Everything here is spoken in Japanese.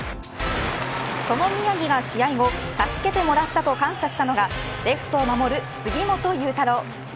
その宮城が試合後助けてもらったと感謝したのがレフトを守る杉本裕太郎。